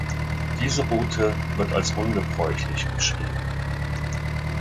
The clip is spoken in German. Diese Route wird als ungebräuchlich beschrieben.